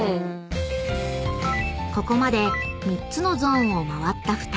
［ここまで３つのゾーンを回った２人］